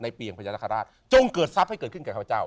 เปียงพญานาคาราชจงเกิดทรัพย์ให้เกิดขึ้นกับข้าพเจ้า